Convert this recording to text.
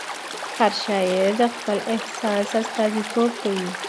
هر شاعر د خپل احساس استازیتوب کوي.